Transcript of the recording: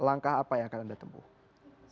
langkah apa yang akan anda temukan